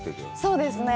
そうですね。